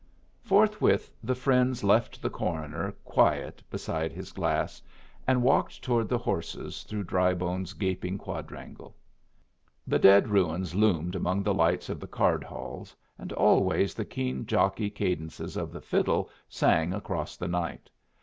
Forthwith the friends left the coroner quiet beside his glass, and walked toward the horses through Drybone's gaping quadrangle. The dead ruins loomed among the lights of the card halls, and always the keen jockey cadences of the fiddle sang across the night.